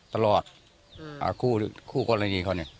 ตลอดคู่กรณีเขานี่